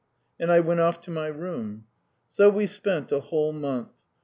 And I went off to my room. So we spent a whole month.